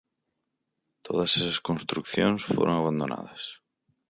Todas esas construcións foron abandonadas.